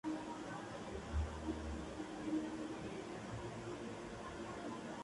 Normalmente contienen una historia que, cada vez con mayor frecuencia, está dividida en entregas.